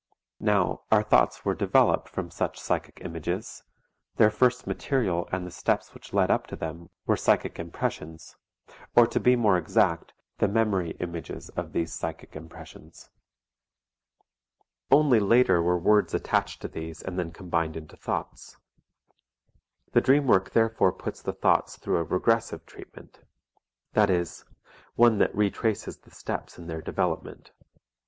Now our thoughts were developed from such psychic images; their first material and the steps which led up to them were psychic impressions, or to be more exact, the memory images of these psychic impressions. Only later were words attached to these and then combined into thoughts. The dream work therefore puts the thoughts through a regressive treatment, that is, one that retraces the steps in their development.